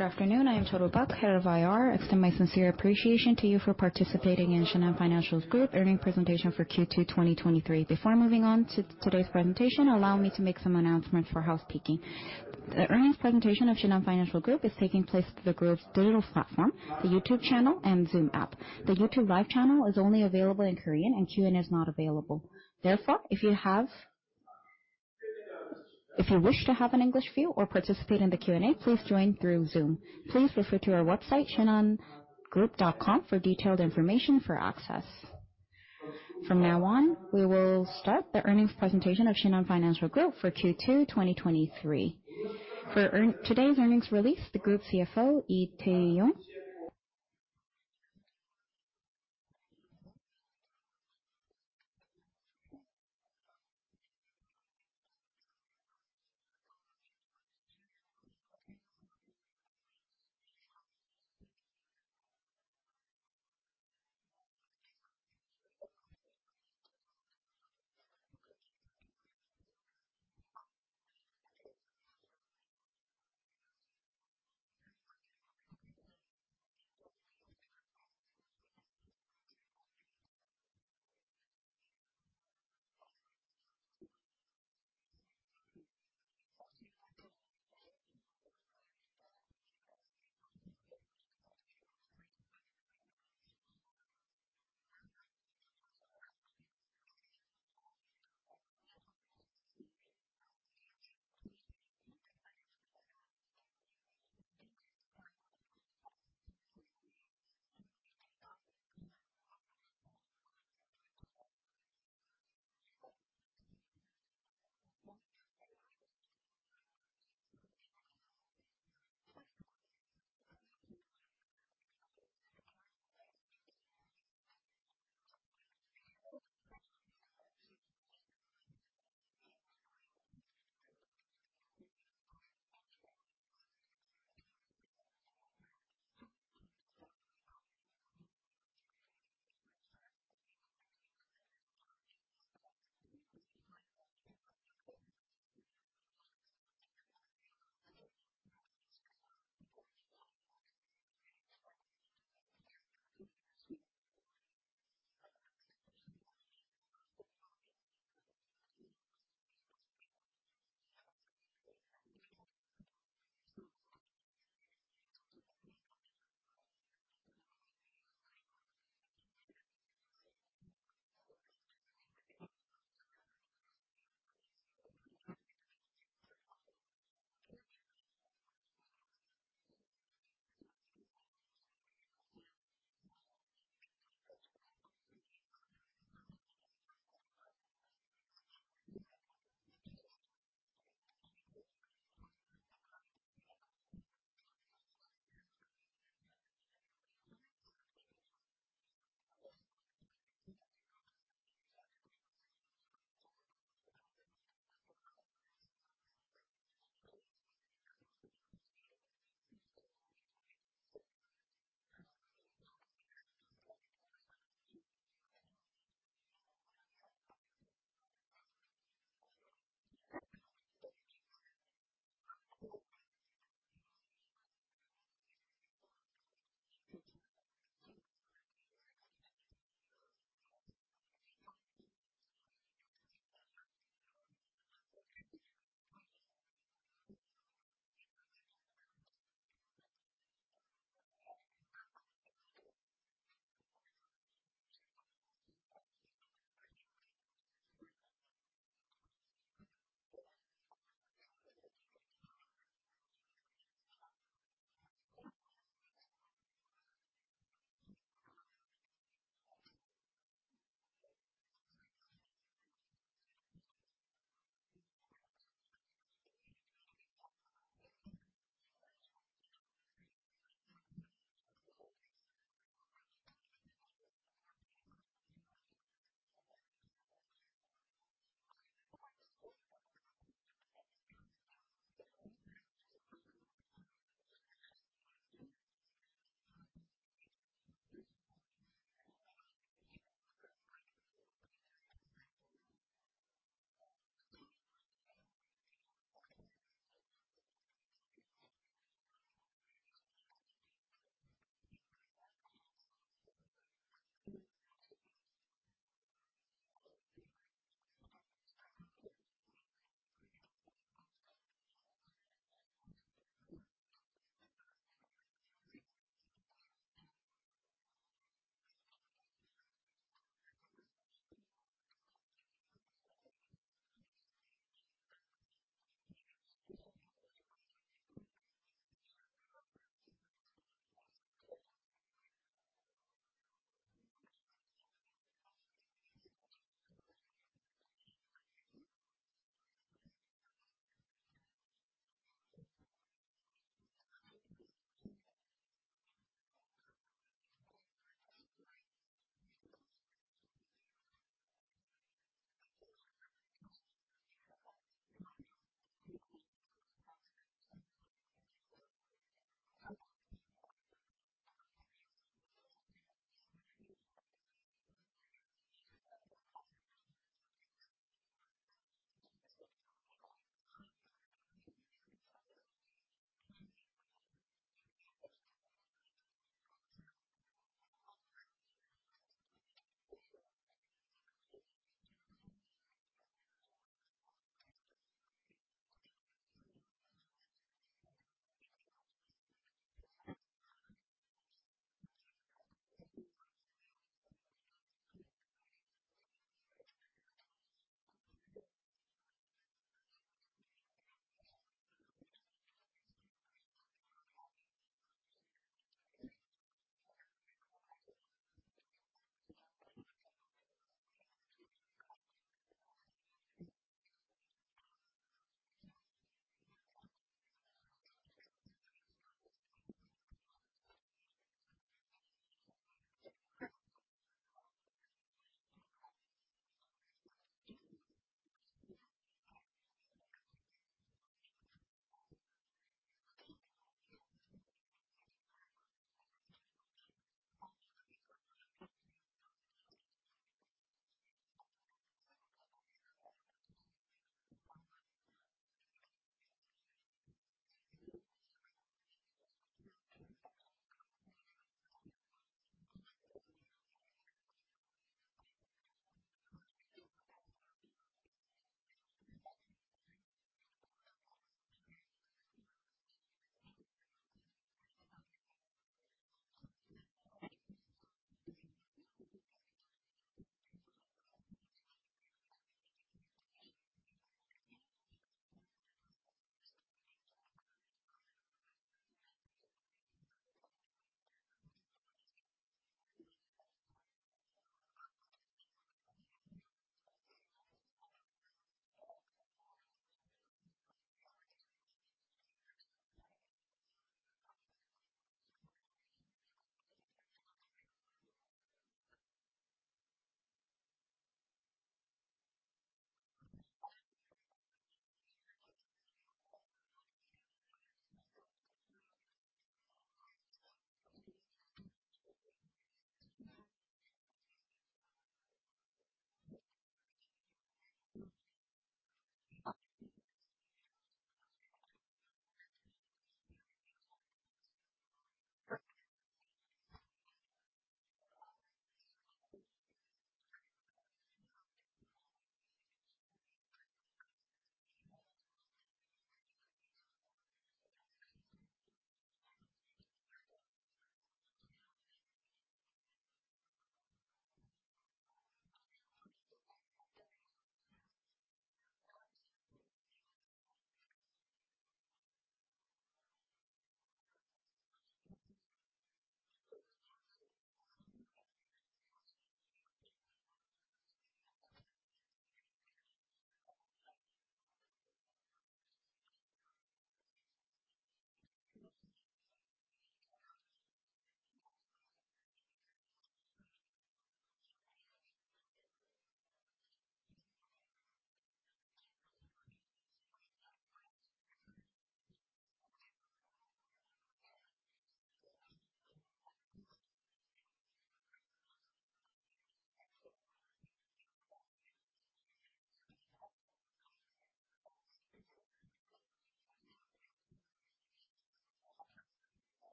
Good afternoon, I am Cheryl Buck, Head of IR. Extend my sincere appreciation to you for participating in Shinhan Financial Group earnings presentation for Q2 2023. Moving on to today's presentation, allow me to make some announcements for housekeeping. The earnings presentation of Shinhan Financial Group is taking place through the group's digital platform, the YouTube channel, and Zoom app. The YouTube live channel is only available in Korean, Q&A is not available.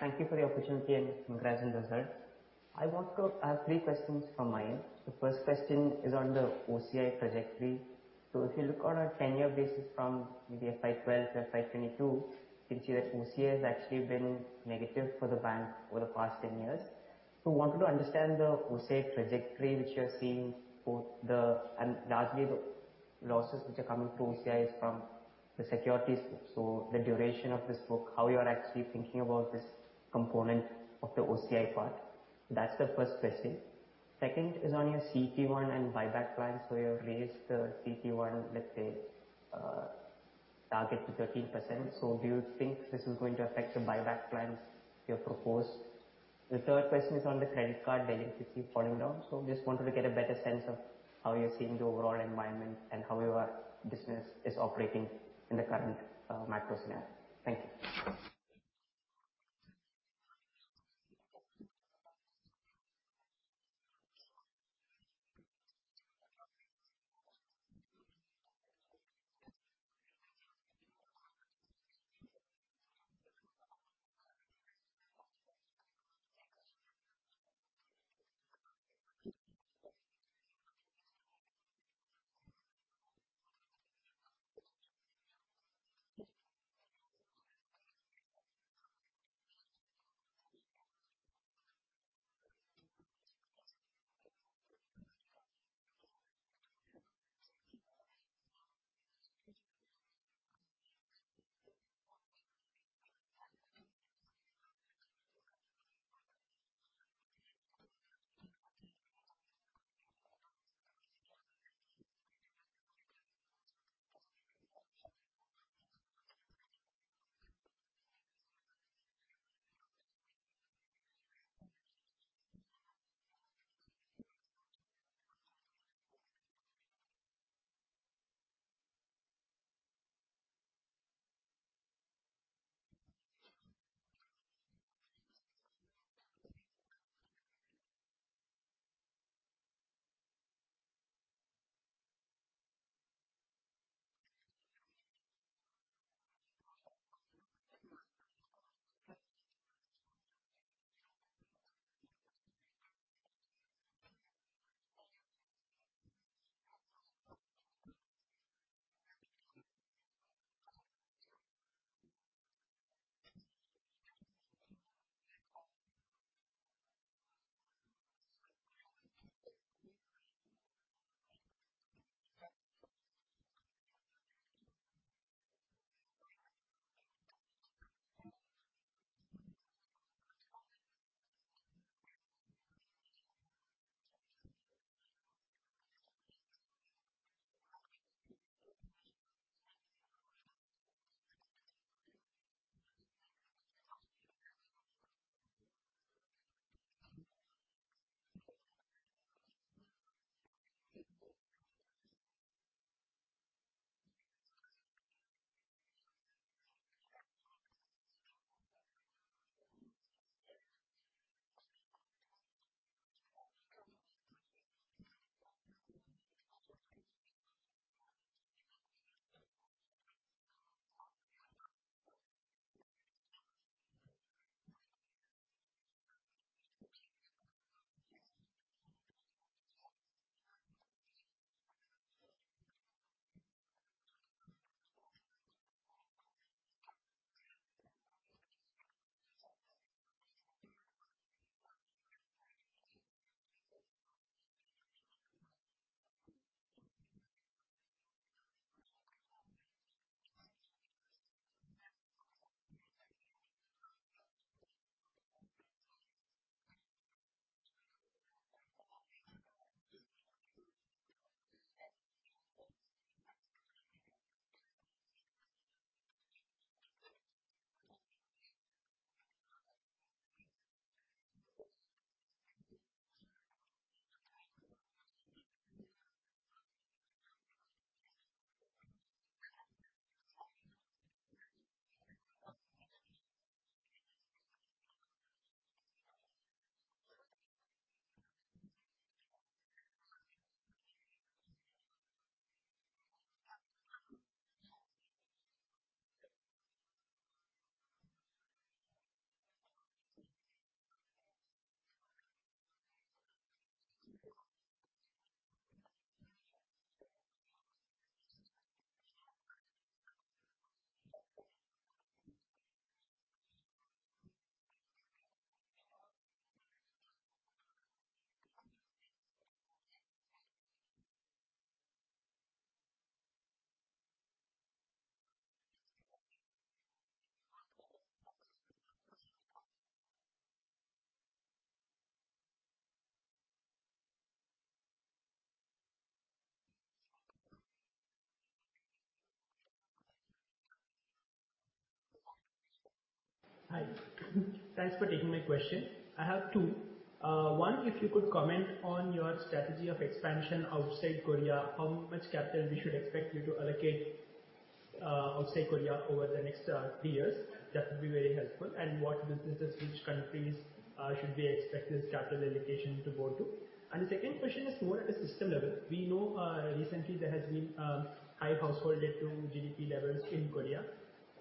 Thank you for the opportunity and congrats on the result. I want to ask three questions from my end. The first question is on the OCI trajectory. If you look on our tenure basis from maybe FY 2012 to FY 2022, you can see that OCI has actually been negative for the bank over the past 10 years. I wanted to understand the OCI trajectory, which you're seeing, and largely the losses which are coming through OCI is from the securities, so the duration of the stroke, how you're actually thinking about this component of the OCI part. That's the first question. Second is on your CET1 and buyback plans, so you've raised the CET1, let's say, target to 13%. Do you think this is going to affect the buyback plans you have proposed? The third question is on the credit card billing to see falling down. I just wanted to get a better sense of how you're seeing the overall environment and how your business is operating in the current macro scenario. Thank you. 네,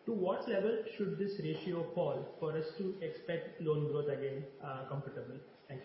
To what level should this ratio fall for us to expect loan growth again comfortably? Thank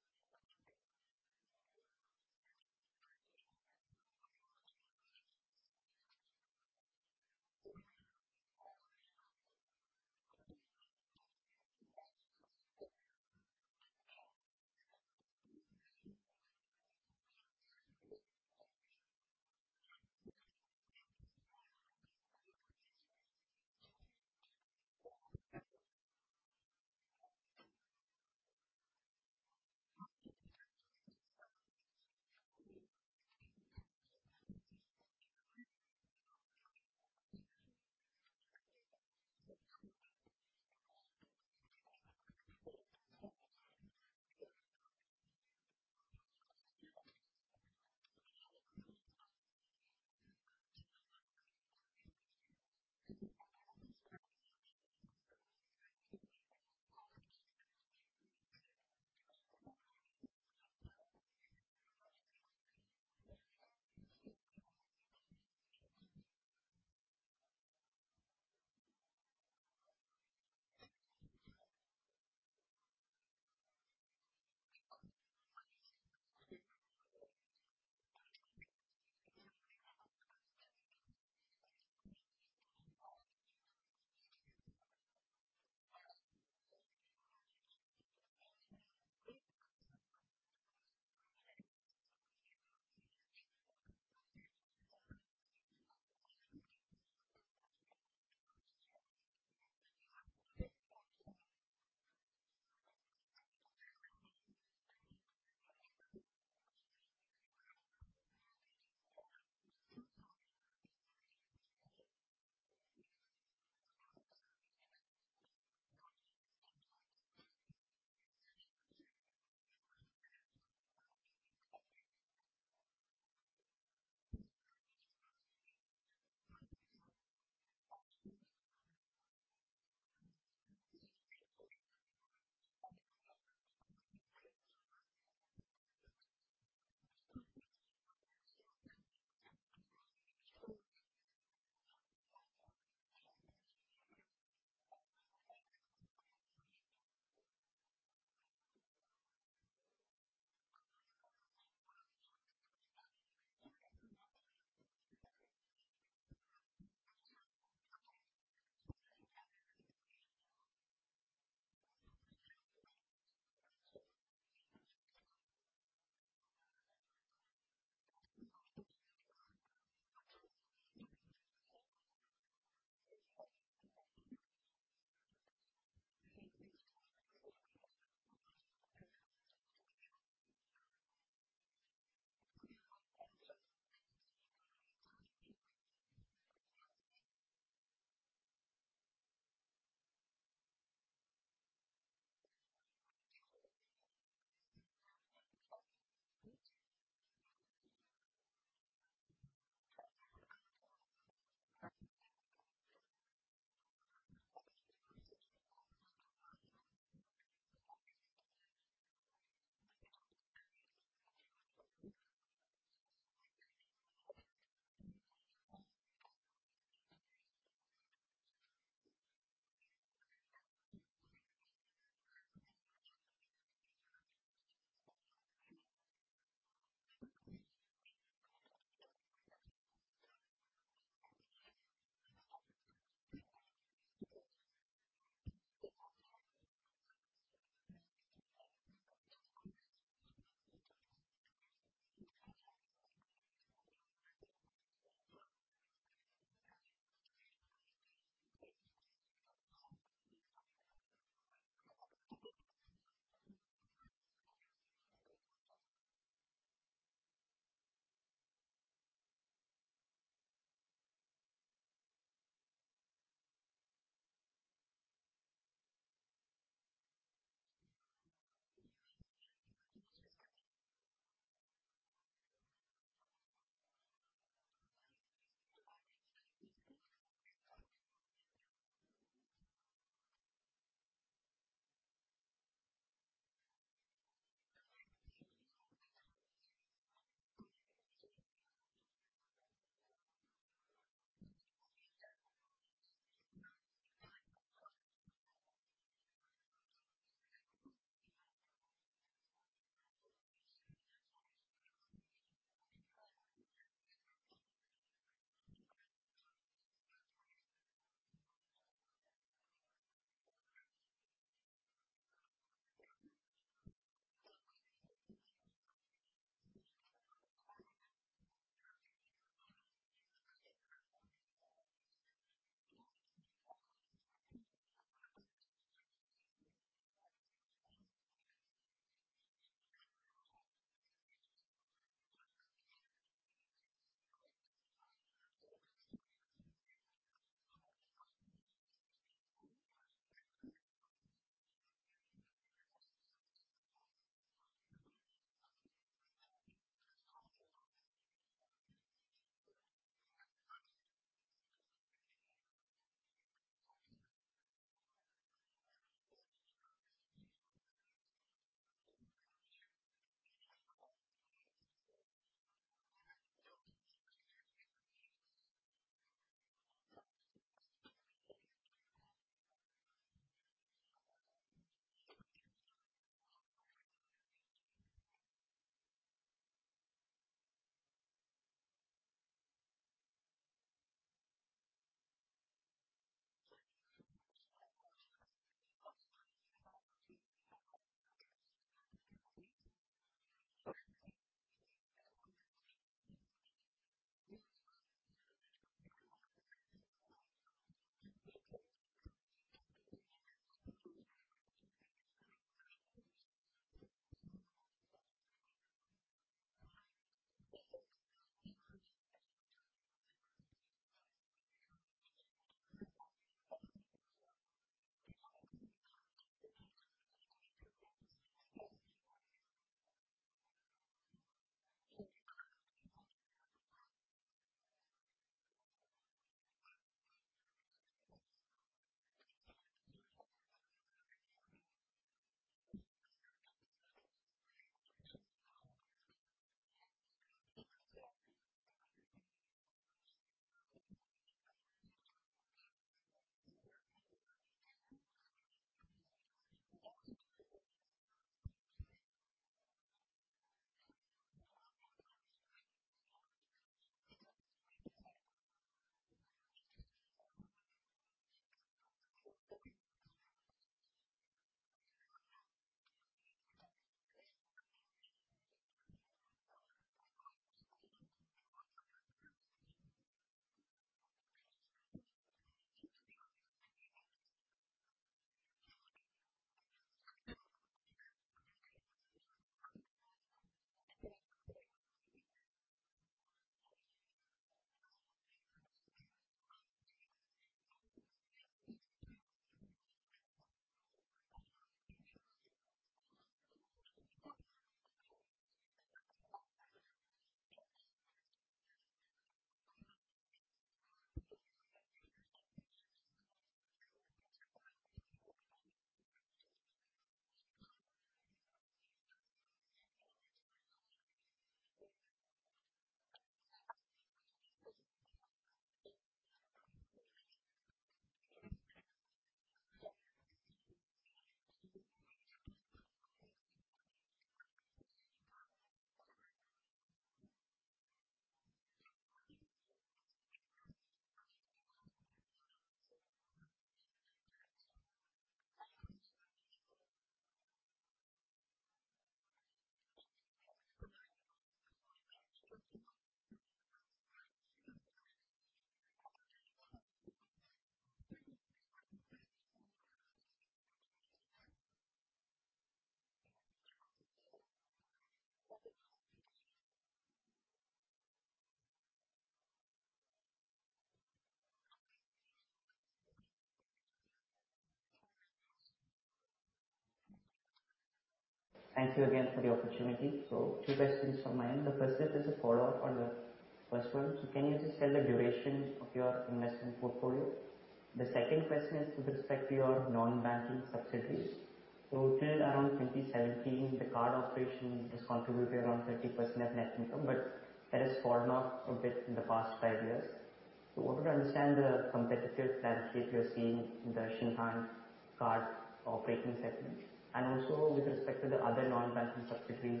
With respect to the other non-banking subsidies,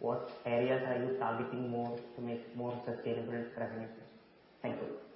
what areas are you targeting more to make more sustainable revenues? Thank you.